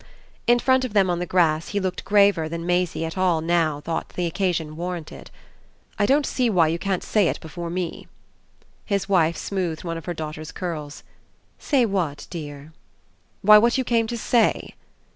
In front of them on the grass he looked graver than Maisie at all now thought the occasion warranted. "I don't see why you can't say it before me." His wife smoothed one of her daughter's curls. "Say what, dear?" "Why what you came to say."